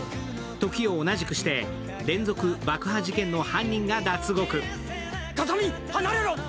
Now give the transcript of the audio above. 時を同じくして連続爆破事件の犯人が脱獄。